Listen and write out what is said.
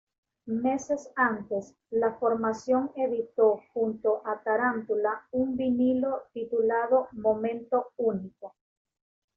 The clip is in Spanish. Meses antes, la formación editó junto a Tarántula un vinilo titulado "Momento único".